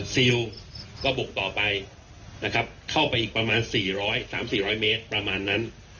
ซิลก็บุกต่อไปนะครับเข้าไปอีกประมาณ๔๐๐๓๔๐๐เมตรประมาณนั้น